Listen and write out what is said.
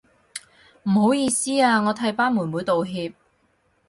唔好意思啊，我替班妹妹道歉